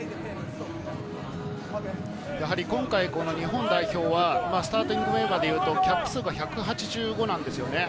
今回、日本代表はスターティングメンバーでいうと、キャップ数が１８５なんですよね。